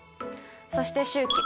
そして終期。